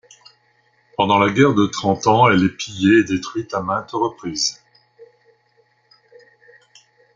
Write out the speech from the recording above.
Pendant la guerre de Trente Ans, elle est pillée et détruite à maintes reprises.